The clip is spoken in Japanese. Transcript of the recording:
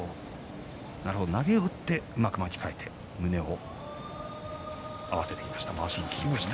投げを打って、うまく巻き替えて胸を合わせていきました。